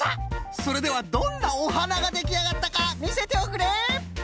それではどんなおはなができあがったかみせておくれ！